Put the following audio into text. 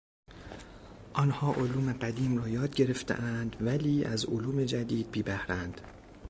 آنها علوم قدیم را یاد گرفتهاند ولی از علوم جدید بیبهرهاند.